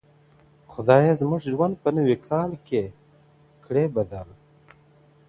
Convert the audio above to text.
خدایه زموږ ژوند په نوي کال کي کړې بدل,